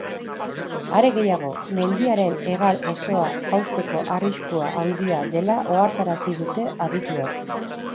Are gehiago, mendiaren hegal osoa jausteko arriskua handia dela ohartarazi dute adituek.